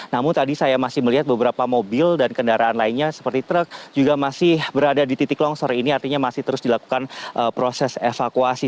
namun tadi saya masih melihat beberapa mobil dan kendaraan lainnya seperti truk juga masih berada di titik longsor ini artinya masih terus dilakukan proses evakuasi